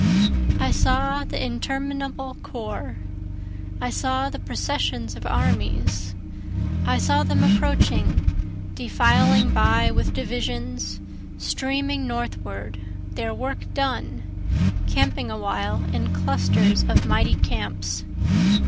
I saw the interminable corps, I saw the processions of armies, I saw them approaching, defiling by with divisions, Streaming northward, their work done, camping awhile in clusters of mighty camps.